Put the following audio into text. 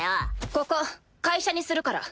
ここ会社にするから。